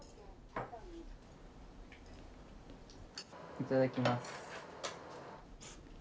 いただきます。